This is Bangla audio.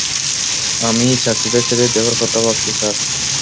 আমি চাকরিটা ছেড়ে দেবার কথা ভাবছি, স্যার।